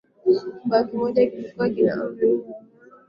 Kibao kimoja kilikuwa kina Amri nne na kibao kingine kilikuwa kina Amri sita